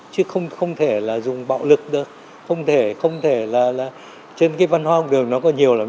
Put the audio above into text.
chứ không thể là dùng bạo lực được không thể không thể là trên cái văn hóa học đường nó có nhiều lắm